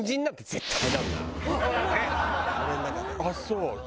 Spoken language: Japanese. あっそう？